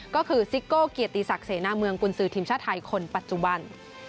ก็คือซิโก้เกียรติศักดิ์เสนาเมืองกุญสือทีมชาติไทยคนปัจจุบัน